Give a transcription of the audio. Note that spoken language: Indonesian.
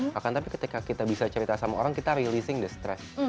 bahkan tapi ketika kita bisa cerita sama orang kita releasing the stress